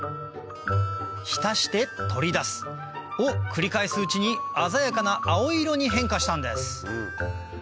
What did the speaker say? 浸して取り出すを繰り返すうちに鮮やかな青色に変化したんです